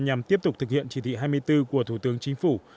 nhằm tiếp tục thực hiện chỉ thị hai mươi bốn của thủ tướng chính phủ